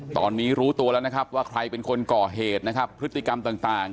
ตอนนี้รู้ตัวแล้วนะครับว่าใครเป็นคนก่อเหตุนะครับพฤติกรรมต่าง